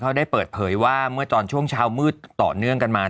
เขาได้เปิดเผยว่าเมื่อตอนช่วงเช้ามืดต่อเนื่องกันมา